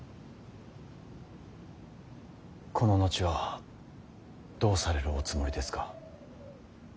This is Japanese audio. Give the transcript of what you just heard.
この後はどうされるおつもりですか。